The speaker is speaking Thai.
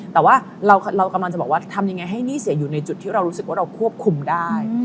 แต่ว่าเรากำลังจะบอกว่าทำยังไงให้หนี้เสียอยู่ในจุดที่เรารู้สึกว่าเราควบคุมได้